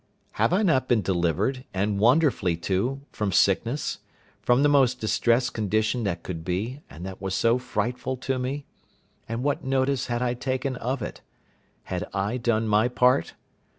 Have I not been delivered, and wonderfully too, from sickness—from the most distressed condition that could be, and that was so frightful to me? and what notice had I taken of it? Had I done my part?